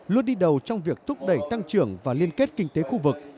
luôn đi đầu trong việc thúc đẩy tăng trưởng và liên kết kinh tế khu vực